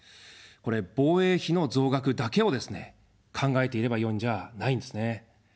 これ、防衛費の増額だけをですね、考えていればよいんじゃないんですね。